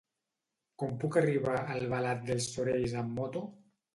Com puc arribar a Albalat dels Sorells amb moto?